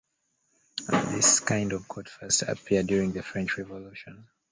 This kind of court first appeared during the French Revolution.